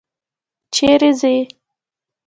چیري ځې؟